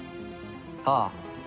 ああ。